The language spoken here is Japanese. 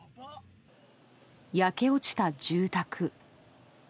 焼け落ちた住宅。